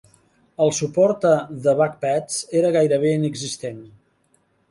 El suport a The Buck Pets era gairebé inexistent.